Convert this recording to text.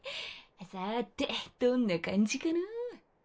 さあてどんな感じかな